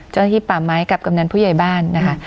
เจ้าหน้าที่ป่าไม้กับกำนันผู้ใหญ่บ้านนะคะ